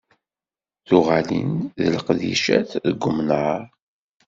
Tuɣalin n leqdicat deg unnar.